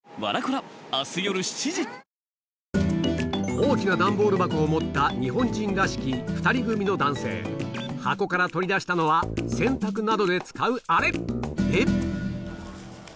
大きな段ボール箱を持った日本人らしき箱から取り出したのは洗濯などで使うあれ！